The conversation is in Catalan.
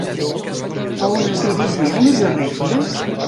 A on es dirigien les arrèfores?